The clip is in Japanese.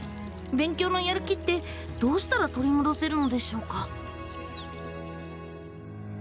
勉強のやる気ってどうしたら取り戻せるのでしょうか？